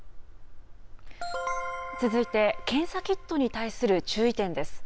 続いて、検査キットに対する注意点です。